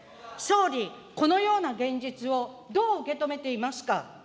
総理、このような現実をどう受け止めていますか。